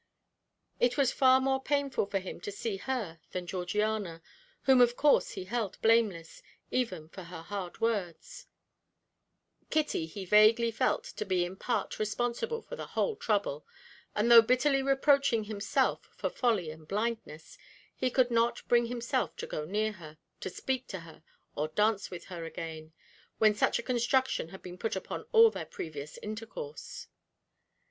It was far more painful for him to see her than Georgiana, whom of course he held blameless, even for her hard words; Kitty he vaguely felt to be in part responsible for the whole trouble, and though bitterly reproaching himself for folly and blindness, he could not bring himself to go near her, to speak to her, or dance with her again, when such a construction had been put upon all their previous intercourse.